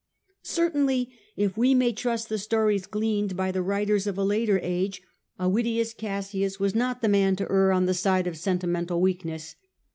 Certainly if we may trust the stories gleaned by the writers of a later age, Avidius Cassius was not the man to err on the side of sentimental weakness.